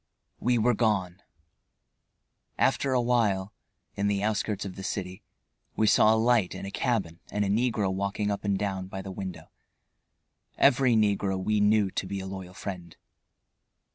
We were gone. After a while, in the outskirts of the city, we saw a light in a cabin and a negro walking up and down by the window. Every negro we knew to be a loyal friend.